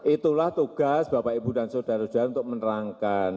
itulah tugas bapak ibu dan saudara saudara untuk menerangkan